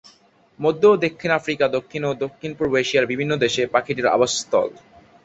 মধ্য ও দক্ষিণ আফ্রিকা, দক্ষিণ ও দক্ষিণ-পূর্ব এশিয়ার বিভিন্ন দেশে পাখিটির আবাসস্থল।